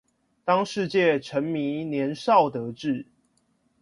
當世界沉迷年少得志